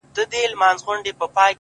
د طبيعت دې نندارې ته ډېر حيران هم يم!!